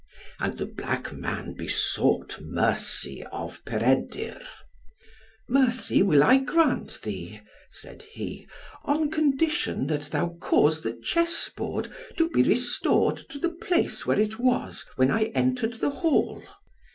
And the black man besought mercy of Peredur. "Mercy will I grant thee," said he, "on condition that thou cause the chessboard to be restored to the place where it was when I entered the hall."